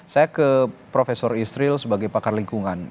saya ke profesor isril sebagai pakar lingkungan